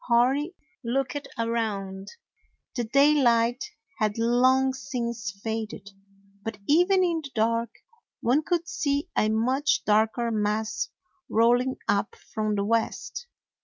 Hori looked around. Ill DOG HEROES OF MANY LANDS The daylight had long since faded, but even in the dark one could see a much darker mass rolling up from the west.